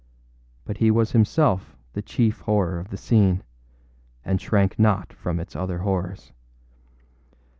But he was himself the chief horror of the scene, and shrank not from its other horrors.